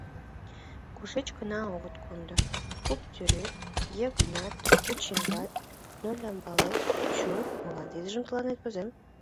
Кушеч гына огыт кондо: Куптӱрет, Йыгынат почингат, НолямбалетЧу, молан тидыжым тылат возем?..